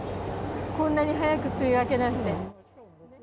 こんなに早く梅雨明けなんて。